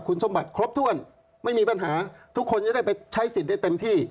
คุณสมบัติครบถ้วนไม่มีปัญหาทุกคนจะได้ไปใช้สิทธิ์ได้เต็มที่